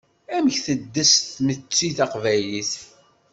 Amek teddes tmetti taqbaylit?